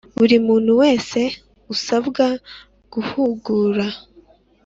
Buri muntu wese usabwa guhugura